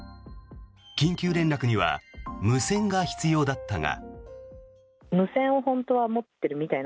緊急連絡には無線が必要だったが。